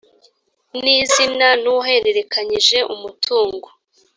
n izina n uwahererekanyije umutungo